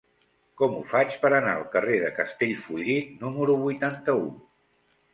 Com ho faig per anar al carrer de Castellfollit número vuitanta-u?